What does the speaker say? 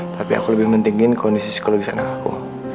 tapi aku lebih pentingin kondisi psikologis anak aku